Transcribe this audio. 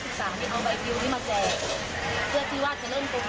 คือว่าจะเป็นโครงการที่ทำมาตั้งนานแล้วจากภูเทศหรือว่าจากโรงพยาบาล